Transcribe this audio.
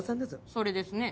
それですね。